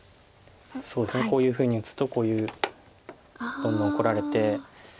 こういうふうに打つとこういうどんどんこられて。